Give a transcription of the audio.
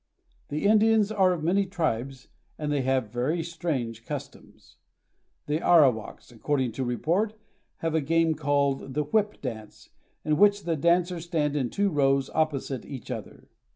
The Indians are of many tribes, and they have very strange customs. The Arawaks, according to report, have a game called the whip dance, in which the dancers stand in two rows opposite each other.